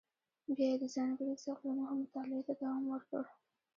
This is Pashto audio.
بیا یې د ځانګړي ذوق له مخې مطالعه ته دوام ورکړ.